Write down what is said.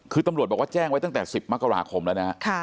คือตำรวจบอกว่าแจ้งไว้ตั้งแต่๑๐มกราคมแล้วนะฮะ